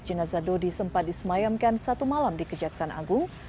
jenazah dodi sempat disemayamkan satu malam di kejaksaan agung